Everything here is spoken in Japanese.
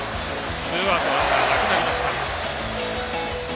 ツーアウトランナーなくなりました。